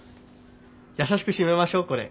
やさしく閉めましょうこれ。